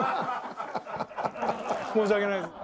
申し訳ないです。